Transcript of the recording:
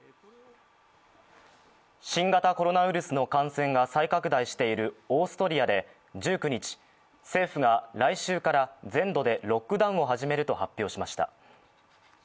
新型コロナウイルスの感染が再拡大しているオーストリアで１９日政府が来週から全土でロックダウンを始めると発表しました。